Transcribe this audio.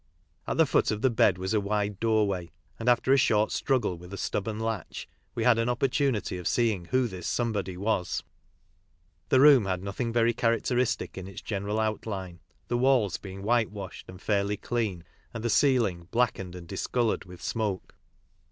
At the foot of the bed was a wide doorway, and, after a short struggle with a stubborn latch, we had an opportunity of seeing who this somebody was. The room had nothing very charac teristic in its general outline, the walls'being white washed and fairly clean, and the ceiling blackened i 3*» '• CRIMINAL MANCHESTER — LIFE IN CHARTER STREET, and discoloured witli smoke.